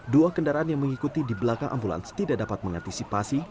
dua kendaraan yang mengikuti di belakang ambulans tidak dapat mengantisipasi